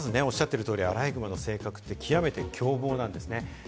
まず、おっしゃっている通りアライグマの性格は極めて凶暴なんですね。